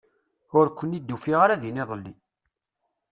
Ur ken-id-ufiɣ ara din iḍelli.